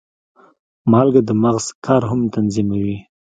مالګه د مغز کار هم تنظیموي.